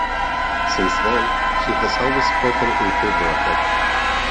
Since then, she has always spoken in favour of it.